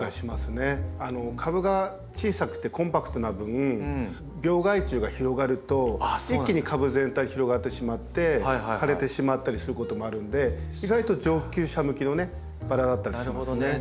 株が小さくてコンパクトな分病害虫が広がると一気に株全体に広がってしまって枯れてしまったりすることもあるんで意外と上級者向けのねバラだったりしますね。